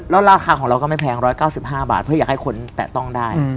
แล้วราคาของเราก็ไม่แพง๑๙๕บาทเพื่ออยากให้คนแตะต้องได้